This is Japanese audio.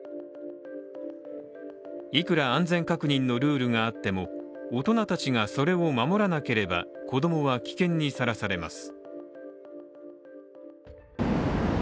いくら安全確認のルールがあっても大人たちがそれを守らなければ子供は危険にさらされます。